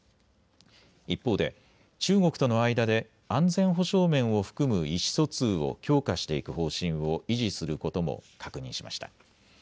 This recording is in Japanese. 一方で中国との間で安全保障面を含む意思疎通を強化していく方針を維持することも確認しました。